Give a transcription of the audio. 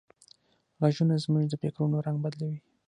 غږونه زموږ د فکرونو رنگ بدلوي.